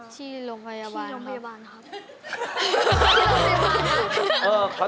ที่โรงพยาบาลครับ